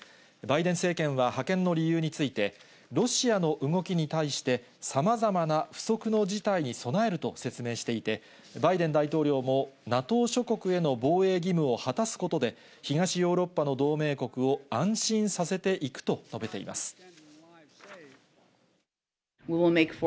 バイデン政権は派遣の理由について、ロシアの動きに対して、さまざまな不測の事態に備えると説明していて、バイデン大統領も、ＮＡＴＯ諸国への防衛義務を果たすことで、東ヨーロッパの同盟国を、安心させていくと述べています。